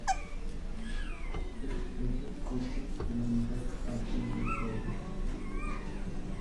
It stretches for six kilometres up to Versova.